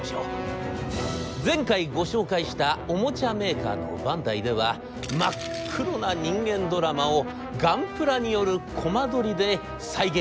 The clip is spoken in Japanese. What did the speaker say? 前回ご紹介したおもちゃメーカーのバンダイでは真っ黒な人間ドラマをガンプラによるコマ撮りで再現をいたしましたが。